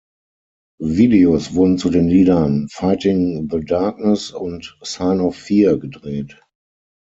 Videos wurden zu den Liedern "Fighting the Darkness" und "Sign of Fear" gedreht.